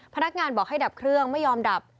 พนักงานบอกให้ดับเครื่องไม่ยอมดับ